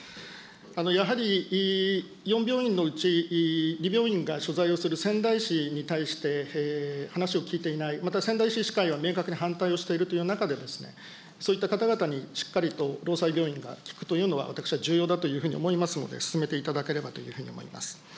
やはり、４病院のうち、２病院が所在をする仙台市に対して、話を聞いていない、また仙台市医師会は明確に反対をしているという中で、そういった方々にしっかりと労災病院が聞くというのは、私は重要だというふうに思いますので、進めていただければというふうに思います。